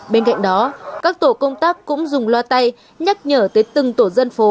bên cạnh đó các tổ công tác cũng dùng loa tay nhắc nhở tới từng tổ dân phố